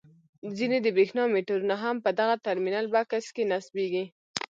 ځینې د برېښنا میټرونه هم په دغه ټرمینل بکس کې نصبیږي.